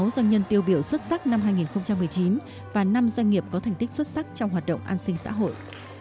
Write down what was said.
sáu doanh nhân tiêu biểu xuất sắc năm hai nghìn một mươi chín và năm doanh nghiệp có thành tích xuất sắc trong hoạt động an sinh xã hội